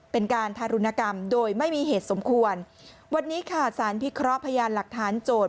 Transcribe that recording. เป็นการทารุณกรรมโดยไม่มีเหตุสมควรวันนี้ค่ะสารพิเคราะห์พยานหลักฐานโจทย